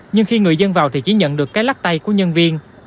nhưng khi người dân vào thì chỉ nhận được cái lắc tay của nhân viên